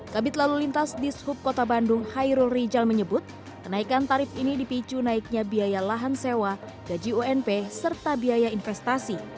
kabit lalu lintas dishub kota bandung hairul rijal menyebut kenaikan tarif ini dipicu naiknya biaya lahan sewa gaji unp serta biaya investasi